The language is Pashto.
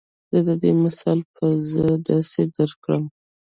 د دې مثال به زۀ داسې درکړم